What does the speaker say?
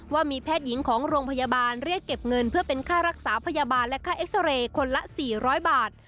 ว่ามีแพทย์หญิงของโรงพยาบาลเรียกเก็บเงินเพื่อเป็นค่ารักษาพยาบาลและค่าเอ็กซาเรย์คนละ๔๐๐บาท